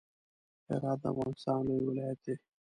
هرات د افغانستان لوی ولایت دی.